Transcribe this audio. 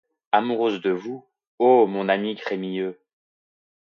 Amoureuse de vous, ô mon ami Crémieux !